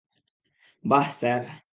বাহ, স্যার।